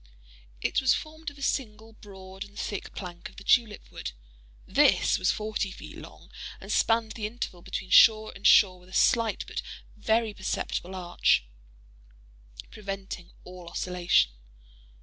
It was formed of a single, broad and thick plank of the tulip wood. This was forty feet long, and spanned the interval between shore and shore with a slight but very perceptible arch, preventing all oscillation.